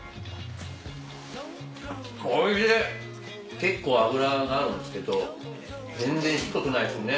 結構脂があるんですけど全然しつこくないですね。